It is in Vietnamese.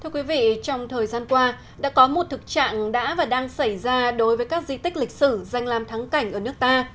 thưa quý vị trong thời gian qua đã có một thực trạng đã và đang xảy ra đối với các di tích lịch sử danh làm thắng cảnh ở nước ta